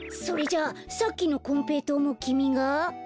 それじゃあさっきのこんぺいとうもきみが？